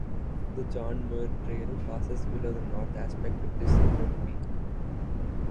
The John Muir Trail passes below the north aspect of this remote peak.